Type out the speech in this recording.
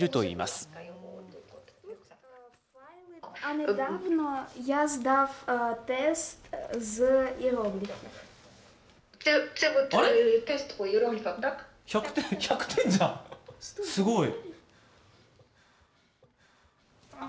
すごい。